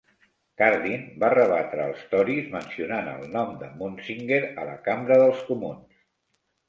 Cardin va rebatre els Tories mencionant el nom de Munsinger a la Cambra dels Comuns.